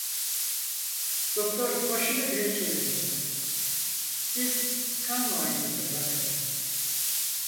Doktor başını bile çevirmedi: "Biz kan muayenesine bakarız…"